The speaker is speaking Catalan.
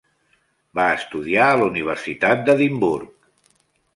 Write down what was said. Va estudiar a la Universitat d'Edimburg.